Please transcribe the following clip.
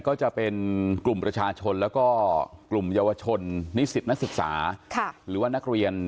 ก็จะเป็นกลุ่มประชาชนแล้วก็กลุ่มเยาวชนนิสิตนักศึกษาหรือว่านักเรียน